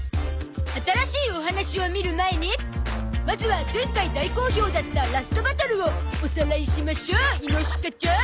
新しいお話を見る前にまずは前回大好評だったラストバトルをおさらいしましょう猪鹿蝶